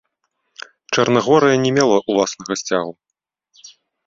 Чарнагорыя не мела ўласнага сцягу.